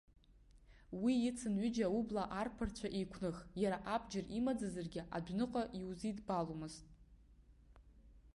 Уи ицын ҩыџьа аублаа рԥарцәа еиқәных, иаргьы абџьар имаӡазаргьы адәныҟа иузидбаломызт.